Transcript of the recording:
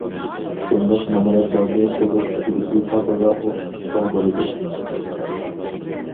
بۇنداق نامراتلارنى قۇدۇق ئىچىدىكى پاقىغا ئوخشىتىشقا بولىدۇ.